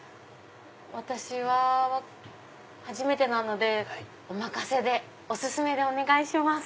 私は初めてなのでお任せでお薦めでお願いします。